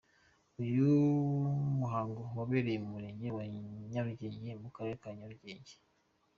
Uyu muhango wabereye mu murenge wa Nyarugenge mu karere ka Nyarugenge.